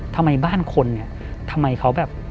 ทำไมบ้านคนเนี่ยทำไมเขาแบบ